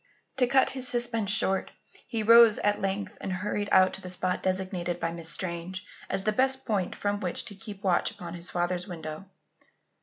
To cut his suspense short, he rose at length and hurried out to the spot designated by Miss Strange as the best point from which to keep watch upon his father's window.